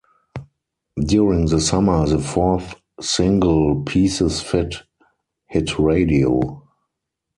During the summer the fourth single "Pieces Fit" hit radio.